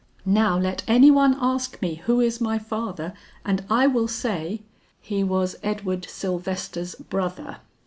Now let any one ask me who is my father, and I will say " "He was Edward Sylvester's brother.